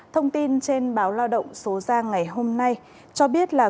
thông tin trên báo lao động số ra ngày hôm nay cho biết là